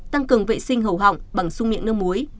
tăng cường vệ sinh hầu họng bằng sung miệng nước muối